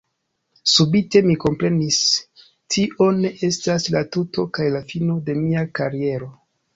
Subite mi komprenis “Tio ne estas la tuto kaj la fino de mia kariero””.